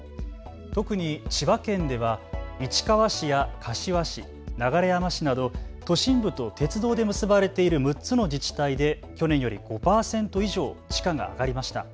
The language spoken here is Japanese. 特に千葉県では市川市や柏市、流山市など都心部と鉄道で結ばれている６つの自治体で去年より５％以上地価が上がりました。